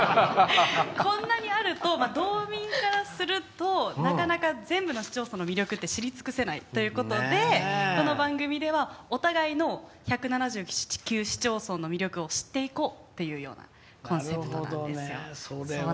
こんなにあると道民からするとなかなか、全部の市町村の魅力知り尽くせないということでこの番組ではお互いの１７９市町村の魅力を知っていこうというコンセプトなんです。